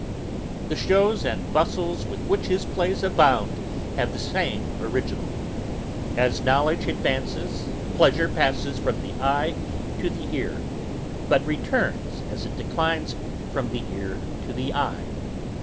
The shows and bustle with which his plays abound have the same original. As knowledge advances, pleasure passes from the eye to the ear, but returns, as it declines, from the ear to the eye.